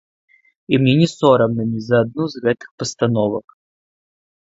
І мне не сорамна ні за адну з гэтых пастановак.